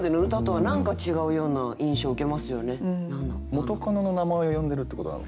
元カノの名前を呼んでるってことなのかな。